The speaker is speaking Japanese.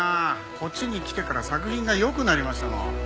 こっちに来てから作品が良くなりましたもん。